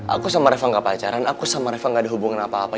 aku sama reva gak pacaran aku sama reva gak ada hubungan apa apa